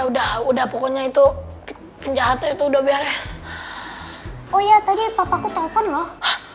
udah udah pokoknya itu penjahat itu udah beres oh ya tadi papaku telepon loh